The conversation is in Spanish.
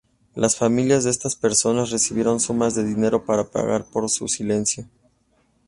Las familias de estas personas recibieron sumas de dinero para pagar por su silencio.